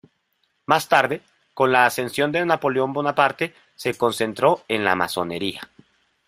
Más tarde, con la ascensión de Napoleón Bonaparte, se concentró en la Masonería.